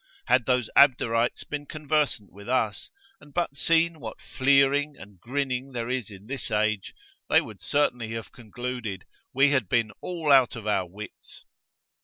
Had those Abderites been conversant with us, and but seen what fleering and grinning there is in this age, they would certainly have concluded, we had been all out of our wits.